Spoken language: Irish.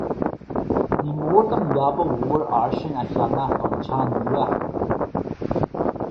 Ní mór dom leaba mhór fhairsing a cheannach don teach nua